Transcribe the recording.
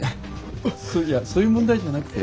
いやそういう問題じゃなくて。